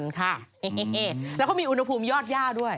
เหมือนกันค่ะแล้วเขามีอุณหภูมิยอดย่าด้วย